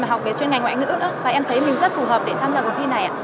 mà học về chuyên ngành ngoại ngữ và em thấy mình rất phù hợp để tham gia cuộc thi này